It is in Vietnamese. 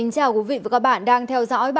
cảm ơn các bạn đã theo dõi